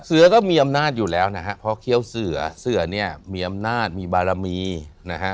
เสือก็มีอำนาจอยู่แล้วนะฮะเพราะเคี้ยวเสือเสือเนี่ยมีอำนาจมีบารมีนะฮะ